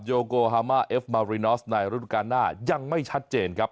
โยโกฮามาเอฟมารินอสในฤดูการหน้ายังไม่ชัดเจนครับ